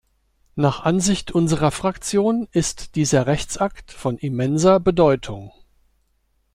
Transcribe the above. Nach Ansicht unserer Fraktion ist dieser Rechtsakt von immenser Bedeutung.